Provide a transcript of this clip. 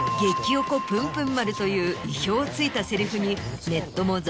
おこぷんぷん丸という意表を突いたセリフに。